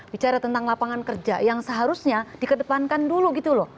bicara tentang lapangan kerja yang seharusnya dikedepankan dulu gitu loh